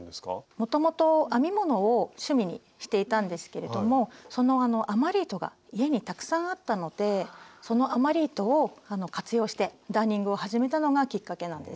もともと編み物を趣味にしていたんですけれどもその余り糸が家にたくさんあったのでその余り糸を活用してダーニングを始めたのがきっかけなんです。